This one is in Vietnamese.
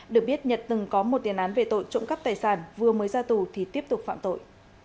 được biết nhật từng có một tiền án về tội trộm cắp tài sản vừa mới ra tù thì tiếp tục phạm tội